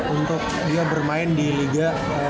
untuk dia bermain di liga satu